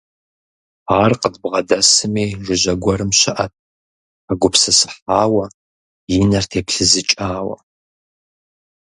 Ар къыдбгъэдэсми жыжьэ гуэрым щыӀэт, хэгупсысыхьауэ, и нэр теплъызыкӀауэ.